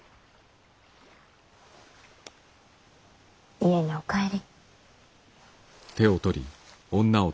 家にお帰り。